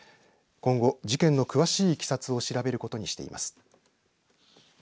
今後、事件の詳しいいきさつを調べることにしています。